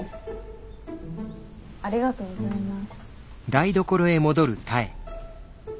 ありがとうございます。